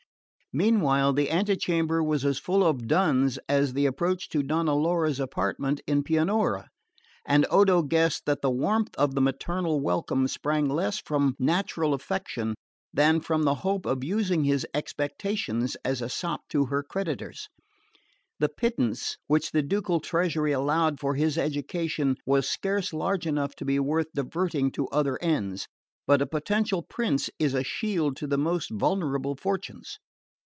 Meanwhile the antechamber was as full of duns as the approach to Donna Laura's apartment at Pianura; and Odo guessed that the warmth of the maternal welcome sprang less from natural affection than from the hope of using his expectations as a sop to her creditors. The pittance which the ducal treasury allowed for his education was scarce large enough to be worth diverting to other ends; but a potential prince is a shield to the most vulnerable fortunes.